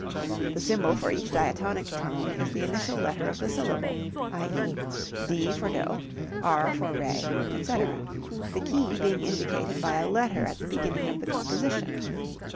The symbol for each diatonic tone is the initial letter of the syllable (i.e., d for do, r for re, etc.), the key being indicated by a letter at the beginning of the composition.